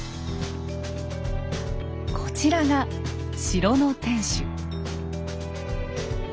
こちらが城の天守。